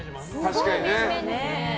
確かにね。